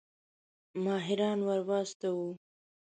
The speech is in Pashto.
ماهران ورواستوو.